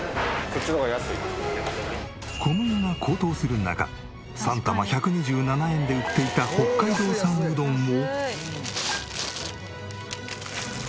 小麦が高騰する中３玉１２７円で売っていた北海道産うどんを。